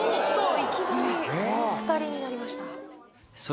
いきなり２人になりました